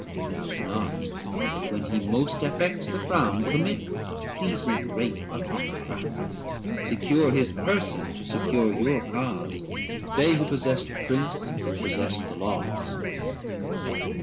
Doubt not : but, when he most affects the frown, Commit a pleasing rape upon the crown. Secure his person to secure your cause : 475 They who possess the Prince possess the laws.'